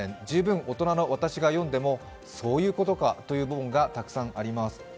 十分大人の私が読んでも、そういうことかという部分がたくさんあります。